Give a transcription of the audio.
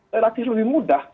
relatif lebih mudah